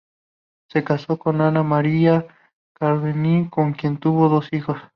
Se casó con Ana María Cardemil, con quien tuvo dos hijos.